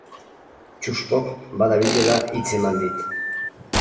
Txuspok badabilela hitz eman dit.